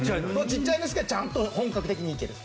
ちっちゃいんですけどちゃんと本格的にいける。